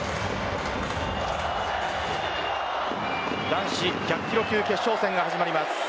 男子１００キロ級決勝戦が始まります。